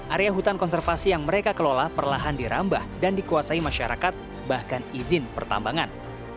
area hutan konservasi yang mereka kelola perlahan dirambah dan dikuasai masyarakat bahkan izin pertambangan